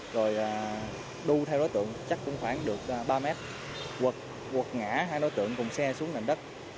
rồi đu theo đối tượng chắc cũng khoảng được ba mét quật quật ngã hai đối tượng cùng xe xuống nền đất